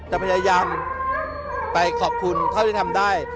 จะพยายามไปขอบคุณเท่าที่ทำได้